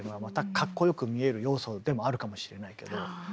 またかっこよく見える要素でもあるかもしれないけど。